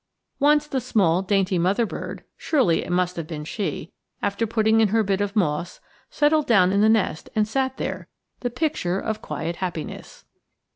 Once the small, dainty mother bird, surely it must have been she, after putting in her bit of moss, settled down in the nest and sat there the picture of quiet happiness.